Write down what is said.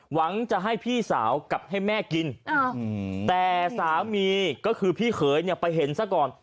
หวังจะให้พี่สาวกับให้แม่กินแต่สามีก็คือพี่เขยเนี่ยไปเห็นซะก่อน